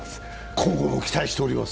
今後も期待しております！